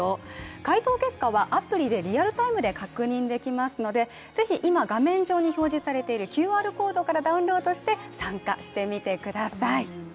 回答結果はアプリでリアルタイムで確認できますので是非画面上に表示されているＱＲコードから参加してください。